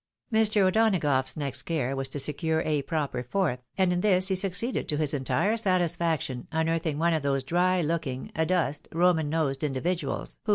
Mr. O'Donagough's next care was to secure a proper fourth, and in this he succeeded to his entire satisfaction, imearthing one of those dry looking, adust, Koman nosed iadividuals, who 278 THE WIDOW MAEEIED.